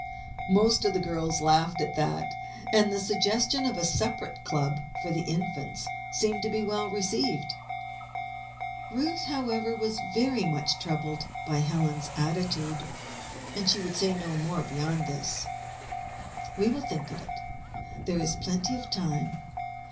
Most of the girls laughed at that. And the suggestion of a separate club for the Infants seemed to be well received. Ruth, however, was very much troubled by Helen's attitude, and she would say no more beyond this: "We will think of it. There is plenty of time.